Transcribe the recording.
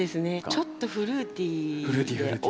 ちょっとフルーティーで。